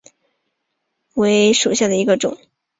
龚氏曼盲蝽为盲蝽科曼盲蝽属下的一个种。